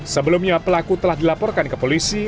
sebelumnya pelaku telah dilaporkan ke polisi